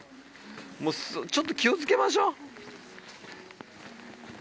ちょっと気を付けましょう。